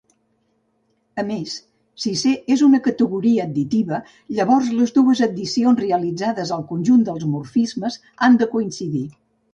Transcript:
A més, si C és una categoria additiva, llavors les dues addicions realitzades als conjunts de morfismes han de coincidir.